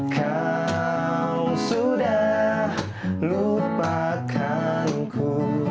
kau sudah lupakan ku